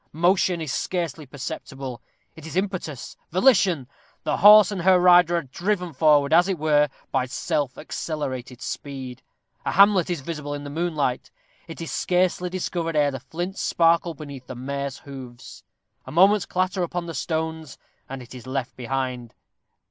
Motion is scarcely perceptible it is impetus! volition! The horse and her rider are driven forward, as it were, by self accelerated speed. A hamlet is visible in the moonlight. It is scarcely discovered ere the flints sparkle beneath the mare's hoofs. A moment's clatter upon the stones, and it is left behind.